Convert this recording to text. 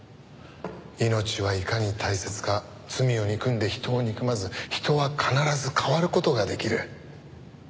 命はいかに大切か罪を憎んで人を憎まず人は必ず変わる事ができる。